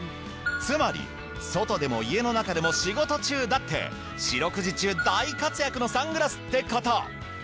つまり外でも家の中でも仕事中だって四六時中大活躍のサングラスってこと！